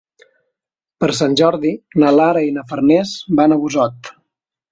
Per Sant Jordi na Lara i na Farners van a Busot.